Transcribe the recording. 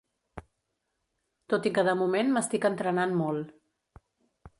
Tot i que de moment m'estic entrenant molt.